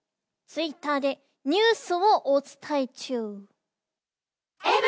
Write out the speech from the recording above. ツイッターでニュースをお伝え中。